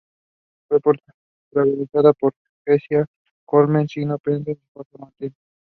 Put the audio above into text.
Couldn’t someone from another institution be just as crafty and clever?